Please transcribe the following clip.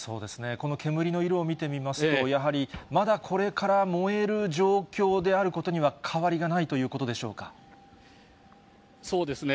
この煙の色を見てみますと、やはりまだこれから燃える状況であることには変わりがないというそうですね。